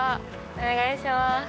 お願いします。